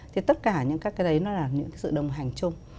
thì tất cả những các cái đấy nó là những cái sự đồng hành chung